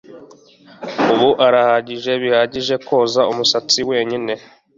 Ubu arahagije bihagije koza umusatsi wenyine